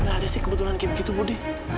gak ada sih kebetulan kayak begitu budi